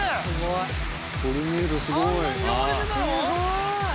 すごい！